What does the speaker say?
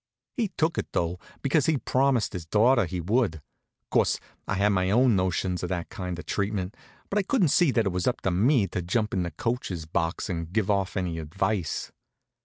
He took it, though, because he'd promised his daughter he would. Course, I had my own notions of that kind of treatment, but I couldn't see that it was up to me to jump in the coacher's box and give off any advice.